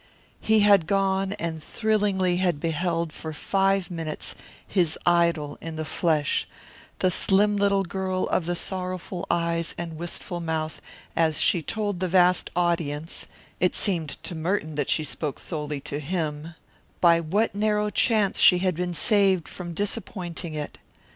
He had gone and thrillingly had beheld for five minutes his idol in the flesh, the slim little girl of the sorrowful eyes and wistful mouth, as she told the vast audience it seemed to Merton that she spoke solely to him by what narrow chance she had been saved from disappointing it.